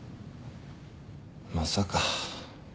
まさか。